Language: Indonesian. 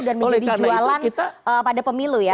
dan menjadi jualan pada pemilu ya